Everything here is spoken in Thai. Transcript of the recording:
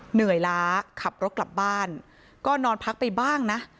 เหนื่อยล้าขับรถกลับบ้านก็นอนพักไปบ้างนะ